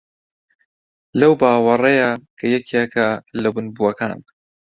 لەو باوەڕەیە کە یەکێکە لە ونبووەکان